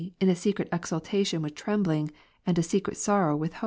185 secret exultation ivith trembling, and a secret sorrow with Ps.